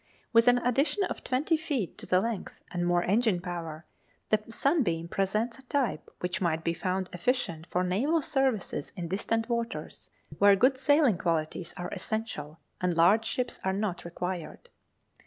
With an addition of 20 ft. to the length, and more engine power, the 'Sunbeam' presents a type which might be found efficient for naval services in distant waters, where good sailing qualities are essential, and large ships are not required.